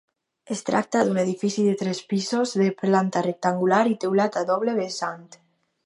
Es tracta d'un edifici de tres pisos, de planta rectangular i teulat a doble vessant.